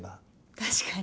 確かに。